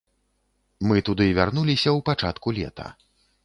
Мы туды вярнуліся ў пачатку лета.